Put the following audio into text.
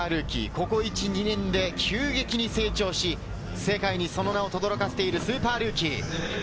ここ１２年で急激に成長し、世界にその名を轟かせているスーパールーキー。